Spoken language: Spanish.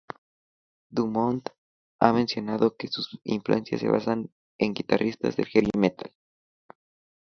Dumont ha mencionado que sus influencias se basan en guitarristas del heavy metal.